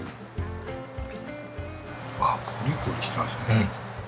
あっコリコリしてますね。